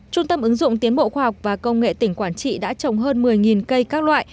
trung tâm ứng dụng tiến bộ khoa học và công nghệ tỉnh quảng trị đã trồng hơn một mươi cây các loại